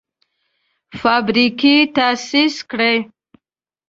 فابریکې تاسیس کړي.